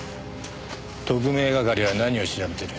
特命係は何を調べてる？